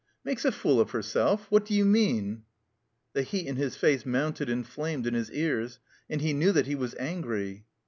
"Makes a fool of herself? What do you mean?" The heat in his face motmted and flamed in his ears; and he knew that he was angry.